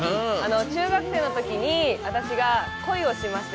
中学生のときに私が男性に恋をしまして、